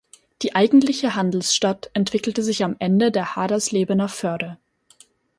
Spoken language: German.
Die eigentliche Handelsstadt entwickelte sich am Ende der Haderslebener Förde.